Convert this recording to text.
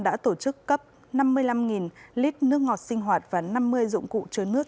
đã tổ chức cấp năm mươi năm lít nước ngọt sinh hoạt và năm mươi dụng cụ chứa nước